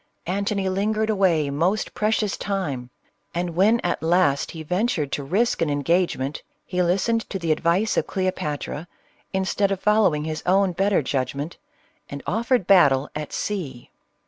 Antony lingered away most precious time, and when at last he ventured to risk an engagement, he listened to the advice of Cleopatra, instead of following his own better judgment, and offered battle at sea.